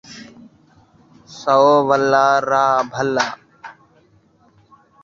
سو ولّا ، راہ بھّلا